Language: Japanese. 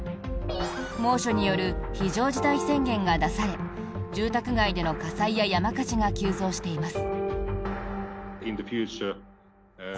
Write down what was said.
猛暑による非常事態宣言が出され住宅街での火災や山火事が急増しています。